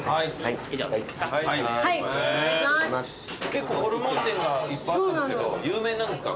結構ホルモン店がいっぱいあったんですけど有名なんですか？